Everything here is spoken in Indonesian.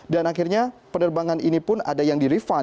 dan akhirnya penerbangan ini pun ada yang di refund